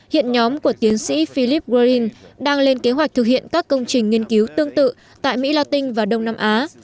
hiện nhóm của tiến sĩ philip warren đang lên kế hoạch thực hiện các công trình nghiên cứu tương tự tại mỹ latin và đông nam á